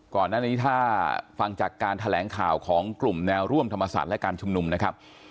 ก่อนหน้านี้ถ้าฟังจากการแถลงข่าวของกลุ่มแนวร่วมธรรมศาสตร์และการชุมนุมนะครับ